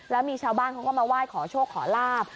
แล้วมีชาวบ้านเขาก็มาไหว้ขอโชคขอลาบ